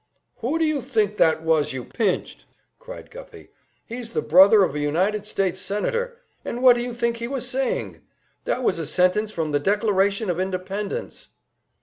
"Who do you think that was you pinched?" cried Guffey. "He's the brother of a United States senator! And what do you think he was saying? That was a sentence from the Declaration of Independence!"